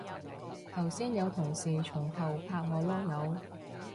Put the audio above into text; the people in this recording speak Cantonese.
頭先有同事從後拍我籮柚